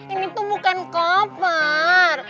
ini tuh bukan koper